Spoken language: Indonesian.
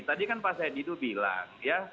tadi kan pak saidido bilang ya